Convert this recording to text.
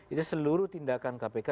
itu seluruh tindakan kpk